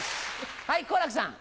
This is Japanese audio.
はい好楽さん。